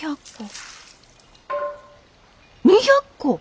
２００個。